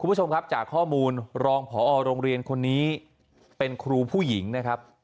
คุณผู้ชมครับจากข้อมูลรองพอโรงเรียนคนนี้เป็นครูผู้หญิงนะครับ